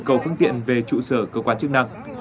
cầu phương tiện về trụ sở cơ quan chức năng